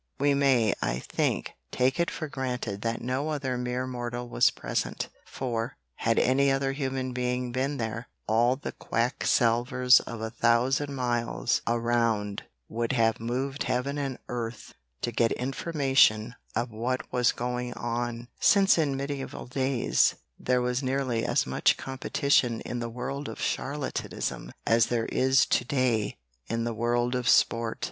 We may, I think, take it for granted that no other mere mortal was present, for, had any other human being been there, all the quacksalvers of a thousand miles around would have moved heaven and earth to get information of what was going on, since in mediæval days there was nearly as much competition in the world of charlatanism as there is to day in the world of sport.